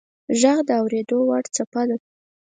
• ږغ د اورېدو وړ څپه ده.